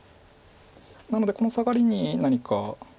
なのでこのサガリに何か。